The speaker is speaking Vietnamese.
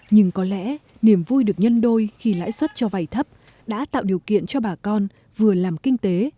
nhưng có lẽ niềm vui được nhân đôi khi lãi suất cho vay thấp đã tạo điều kiện cho bà con vừa làm kinh tế